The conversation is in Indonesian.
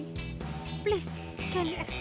tolong bisa lu jelaskan